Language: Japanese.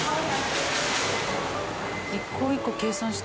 一個一個計算して？